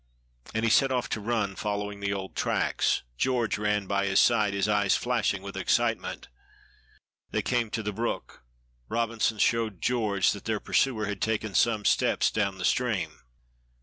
And he set off to run, following the old tracks. George ran by his side, his eyes flashing with excitement. They came to the brook. Robinson showed. George that their pursuer had taken some steps down the stream.